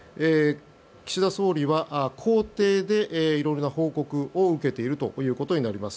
岸田総理は公邸で色々な報告を受けているということになります。